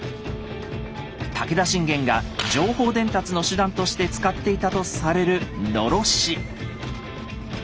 武田信玄が情報伝達の手段として使っていたとされるのろし。